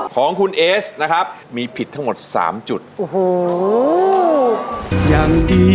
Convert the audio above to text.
ของคุณเอสนะครับมีผิดทั้งหมด๓จุด